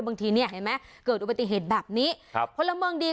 บางทีเนี่ยเห็นไหมเกิดอุบัติเหตุแบบนี้ครับพลเมืองดี